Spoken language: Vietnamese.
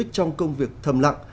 trong công việc thầm lặng